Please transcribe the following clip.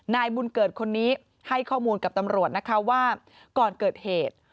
นายบุญเกิดคนนี้ให้ข้อมูลกับตำรวจนะคะว่าก่อนเกิดเหตุ